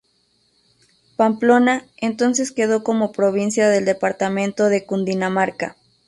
Pamplona entonces quedó como provincia del departamento de Cundinamarca.